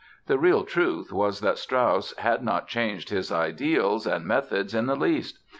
The real truth was that Strauss had not changed his ideals and methods in the least.